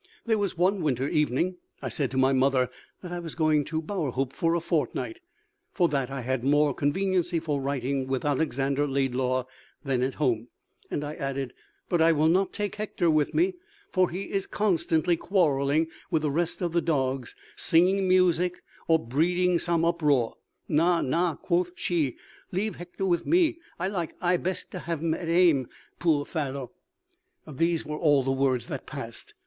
There was one winter evening I said to my mother that I was going to Bowerhope for a fortnight, for that I had more conveniency for writing with Alexander Laidlaw than at home; and I added, 'But I will not take Hector with me, for he is constantly quarrelling with the rest of the dogs, singing music, or breeding some uproar.' 'Na, na,' quoth she, 'leave Hector with me; I like aye best to have him at hame, poor fallow.' "These were all the words that passed.